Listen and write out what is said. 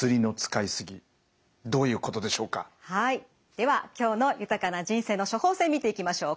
では今日の豊かな人生の処方せん見ていきましょう。